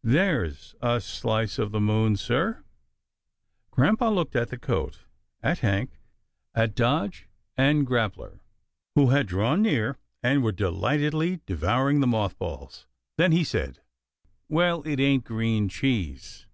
" There's a slice of the moon, sir/' Grampa looked at the coat, at Hank, at Dodge and Grappler who had drawn near, and were de lightedly devouring the moth balls, then he said, " Well, it ain't green cheese."